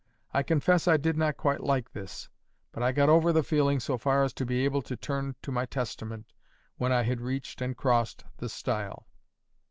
I confess I did not quite like this; but I got over the feeling so far as to be able to turn to my Testament when I had reached and crossed the stile.